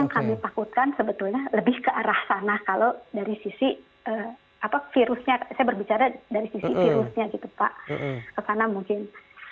kalau dari sisi virusnya saya berbicara dari sisi virusnya gitu pak ke sana mungkin